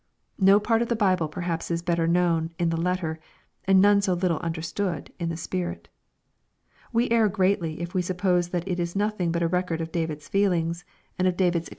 No part of the Bible perhaps is better known in the letter, and none so little understood in the spirit. We err greatly if we suppose that itis nothing but a record of David's feelings, of David's ex LUKE, CHAP.